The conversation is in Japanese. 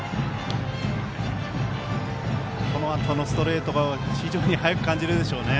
このあとのストレートが非常に速く感じるでしょうね。